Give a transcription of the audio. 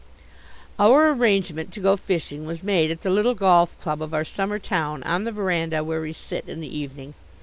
Our arrangement to go fishing was made at the little golf club of our summer town on the veranda where we sit in the evening.